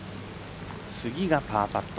次がパーパット。